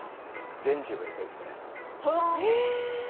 善児をやりたいです。